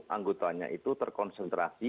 anggotanya itu terkonsentrasi